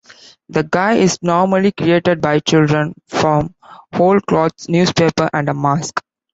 The "guy" is normally created by children, from old clothes, newspapers, and a mask.